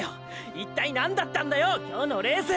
一体何だったんだよ今日のレース！！